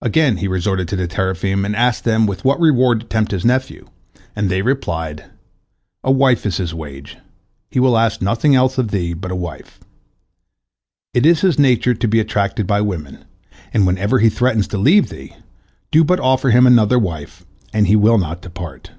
Again he resorted to the teraphim, and asked them with what reward to tempt his nephew, and they replied: "A wife is his wage; he will ask nothing else of thee but a wife. It is his nature to be attracted by women, and whenever he threatens to leave thee, do but offer him another wife, and he will not depart."